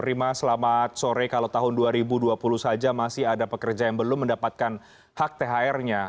rima selamat sore kalau tahun dua ribu dua puluh saja masih ada pekerja yang belum mendapatkan hak thr nya